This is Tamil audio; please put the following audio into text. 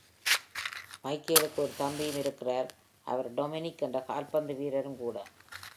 மைக்கேலுக்கு ஒரு தம்பியும் இருக்கிறார், அவர் டொமினிக் என்ற கால்பந்து வீரரும் கூட.